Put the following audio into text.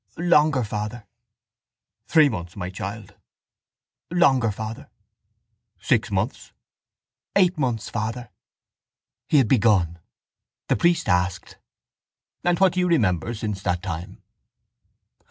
—Longer, father. —Three months, my child? —Longer, father. —Six months? —Eight months, father. He had begun. The priest asked: —And what do you remember since that time?